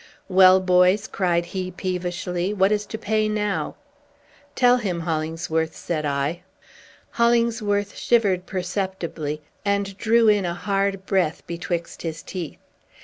"Well, boys," cried he peevishly, "what is to pay now?" "Tell him, Hollingsworth," said I. Hollingsworth shivered perceptibly, and drew in a hard breath betwixt his teeth.